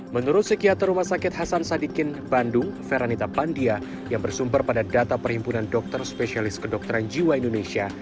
menurut psikiater rumah sakit hasan sadikin bandung feranita pandia yang bersumber pada data perhimpunan dokter spesialis kedokteran jiwa indonesia